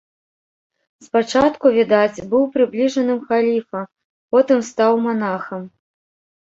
Спачатку, відаць, быў прыбліжаным халіфа, потым стаў манахам.